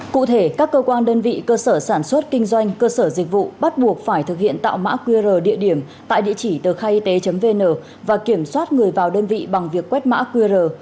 cụ thể các cơ quan đơn vị cơ sở sản xuất kinh doanh cơ sở dịch vụ bắt buộc phải thực hiện tạo mã qr địa điểm tại địa chỉ tờ khai y tế vn và kiểm soát người vào đơn vị bằng việc quét mã qr